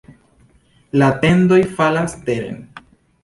La tendoj falas teren.